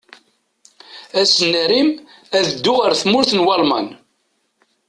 Ass n Arim, ad dduɣ ar tmurt n Walman.